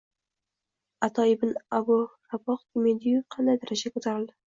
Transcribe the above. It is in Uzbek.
Ato ibn Abu Raboh kim ediyu, qanday darajaga ko‘tarildi